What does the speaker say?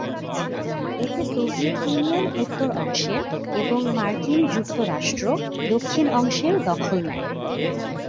এতে Soviet Union উত্তর অংশের এবং মার্কিন যুক্তরাষ্ট্র দক্ষিণ অংশের দখল নেয়।